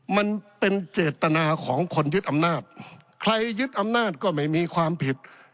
มันเป็นเจตนาของคนยึดอำนาจใครยึดอำนาจก็ไม่มีความผิด